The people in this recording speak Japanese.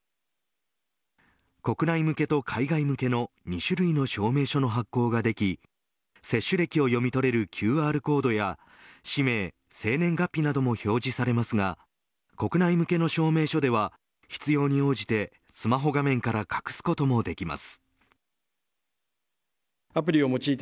国内向けと海外向けの２種類の証明書の発行ができ接種歴を読み取れるＱＲコードや氏名、生年月日なども表示されますが国内向けの証明書では必要に応じて、スマホ画面から隠すこともできます。